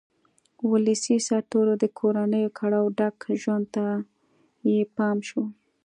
ولسي سرتېرو د کورنیو کړاوه ډک ژوند ته یې پام شو.